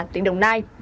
tỉnh đồng nai